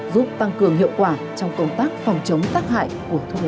giúp tăng cường hiệu quả trong công tác phòng chống tác hại của thuốc lá